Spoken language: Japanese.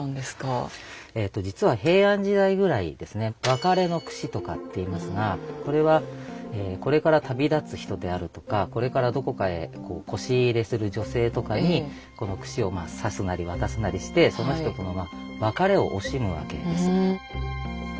「別れのくし」とかって言いますがこれはこれから旅立つ人であるとかこれからどこかへこし入れする女性とかにこのくしを挿すなり渡すなりしてその人との別れを惜しむわけです。